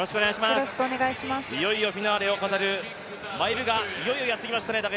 いよいよフィナーレを飾るマイルがいよいよやってまいりましたね。